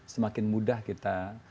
semakin mudah kita